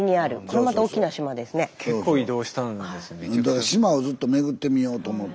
だから島をずっと巡ってみようと思って。